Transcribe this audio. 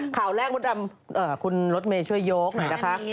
ข่าวแรกมดดำคุณรถเมย์ช่วยโยกหน่อยนะคะ